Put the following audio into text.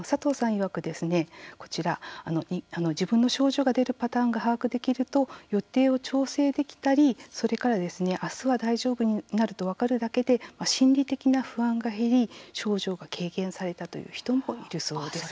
いわくこちら自分の症状が出るパターンが把握できると予定を調整できたりそれから、あすは大丈夫になると分かるだけで心理的な不安が減り症状が軽減されたという人もいるそうです。